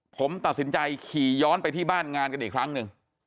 ผมตัดสินใจขี่ย้อนไปที่บ้านงานกันอีกครั้งหนึ่ง